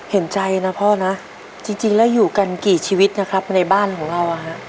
เห็นใจนะพ่อนะจริงแล้วอยู่กันกี่ชีวิตนะครับในบ้านของเรา